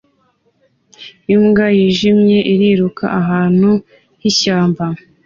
Imbwa yijimye iriruka ahantu h'ishyamba